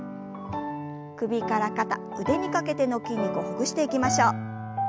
首から肩腕にかけての筋肉をほぐしていきましょう。